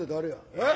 えっ？